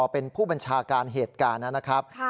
เป็นผู้บัญชาการเหตุการณ์นะครับ